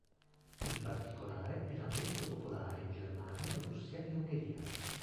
In particolare era molto popolare in Germania, Russia e Ungheria.